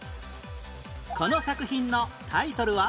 この作品のタイトルは？